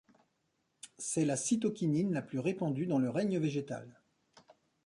C'est la cytokinine la plus répandue dans le règne végétal.